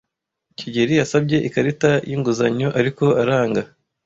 kigeli yasabye ikarita y'inguzanyo, ariko aranga.